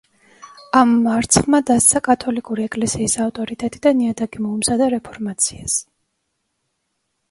ამ მარცხმა დასცა კათოლიკური ეკლესიის ავტორიტეტი და ნიადაგი მოუმზადა რეფორმაციას.